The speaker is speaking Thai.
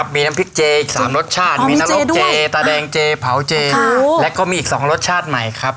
มีน้ำพริกเจอีก๓รสชาติมีน้ำรกเจตาแดงเจเผาเจแล้วก็มีอีก๒รสชาติใหม่ครับ